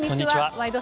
「ワイド！